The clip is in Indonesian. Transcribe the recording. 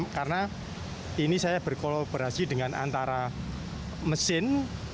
karena ini saya berkolaborasi dengan antara mesin